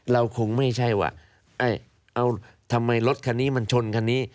เราคงไม่ใช่ว่าเอาทำไมรถคันนี้มันชนคันนี้